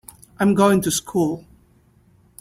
I'm going to school.